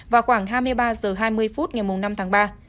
vào khoảng hai mươi ba h hai mươi phút ngày năm tháng ba